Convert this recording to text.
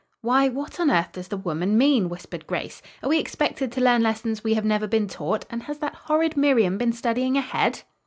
"Why, what on earth does the woman mean?" whispered Grace. "Are we expected to learn lessons we have never been taught and has that horrid Miriam been studying ahead?"